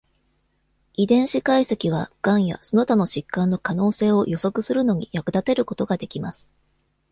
遺伝子解析は癌やその他の疾患の可能性を予測するのに役立てることができます。